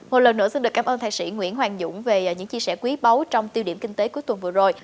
một lần nữa xin được cảm ơn thạc sĩ nguyễn hoàng dũng về những chia sẻ quý báu trong tiêu điểm kinh tế cuối tuần vừa rồi